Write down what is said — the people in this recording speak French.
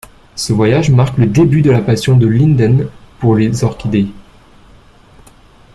Ce voyage marque le début de la passion de Linden pour les orchidées.